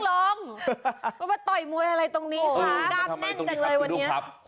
แล้วมาต่อยมวยอะไรตรงนี้กล้ามแน่นจังเลยวันนี้